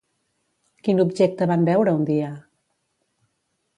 Quin objecte van veure un dia?